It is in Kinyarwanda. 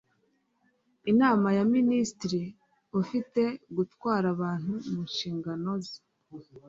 inama ya minisitiri ufite gutwara abantu mu nshingano ze